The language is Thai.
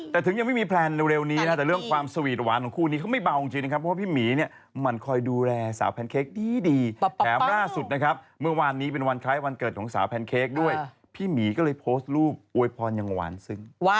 แต่ถึงยังไม่มีแพลนเร็วนี้นะแต่เรื่องความสวีทหวานของคู่นี้เขาไม่เบาจริงนะครับเพราะว่าพี่หมีเนี่ยมันคอยดูแลสาวแพนเค้กดีแถมล่าสุดนะครับเมื่อวานนี้เป็นวันคล้ายวันเกิดของสาวแพนเค้กด้วยพี่หมีก็เลยโพสต์รูปอวยพรยังหวานซึ้ง